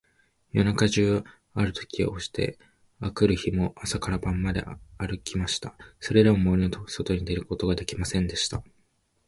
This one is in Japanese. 夜中じゅうあるきとおして、あくる日も朝から晩まであるきました。それでも、森のそとに出ることができませんでした。